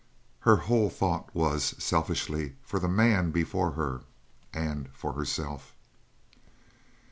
Her whole thought was, selfishly, for the man before her, and for herself.